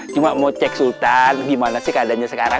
cuma mau cek sultan gimana sih keadaannya sekarang